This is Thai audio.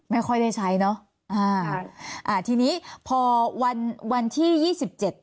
ไม่ค่อยได้ใช้เนอะอ่าอ่าทีนี้พอวันวันที่ยี่สิบเจ็ด